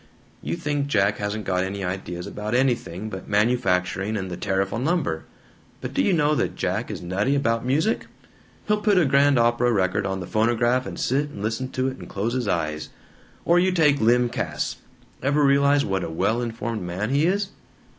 You think Jack hasn't got any ideas about anything but manufacturing and the tariff on lumber. But do you know that Jack is nutty about music? He'll put a grand opera record on the phonograph and sit and listen to it and close his eyes Or you take Lym Cass. Ever realize what a well informed man he is?"